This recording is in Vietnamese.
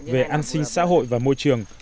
về an sinh xã hội và môi trường